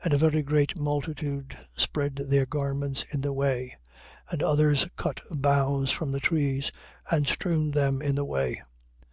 21:8. And a very great multitude spread their garments in the way: and others cut boughs from the trees and strewed them in the way.